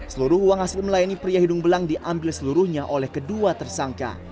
seluruh uang hasil melayani pria hidung belang diambil seluruhnya oleh kedua tersangka